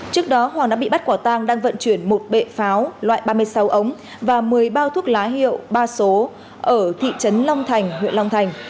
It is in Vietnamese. trước đó hoàng đã bị bắt quả tang đang vận chuyển một bệ pháo loại ba mươi sáu ống và một mươi bao thuốc lá hiệu ba số ở thị trấn long thành huyện long thành